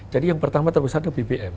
jadi yang pertama terbesar itu bbm